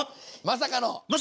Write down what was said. まさかの？